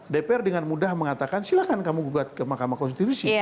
dpr dengan mudah mengatakan silahkan kamu gugat ke mahkamah konstitusi